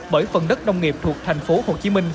bởi phần đất nông nghiệp thuộc thành phố hồ chí minh